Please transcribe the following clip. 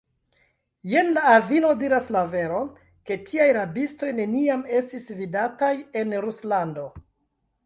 Jen la avino diras la veron, ke tiaj rabistoj neniam estis vidataj en Ruslando.